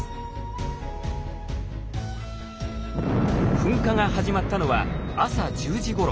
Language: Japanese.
噴火が始まったのは朝１０時ごろ。